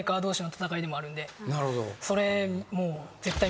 それもう。